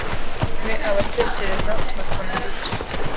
we aba atekereza utwo tuntu duto